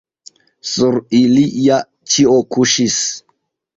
Sur ili ja ĉio kuŝis.